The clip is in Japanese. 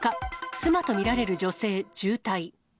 妻と見られる女性重体。